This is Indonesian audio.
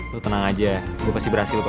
lo tenang aja ya gue pasti berhasil kok